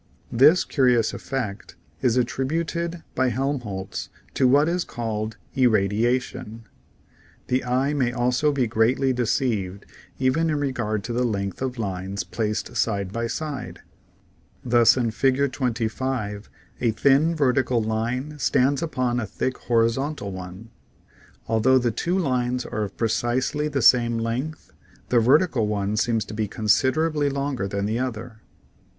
This curious effect is attributed by Helmholtz to what is called irradiation. The eye may also be greatly deceived even in regard to the length of lines placed side by side. ILLUSIONS OF THE SENSES 153 Thus, in Fig. 25 a thin vertical line stands upon a thick hor izontal one; although the two lines are of precisely the same length, the vertical one seems to be considerably longer than the other.